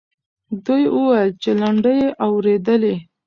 دوی وویل چې لنډۍ یې اورېدلې.